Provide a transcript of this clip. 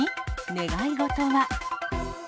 願い事は。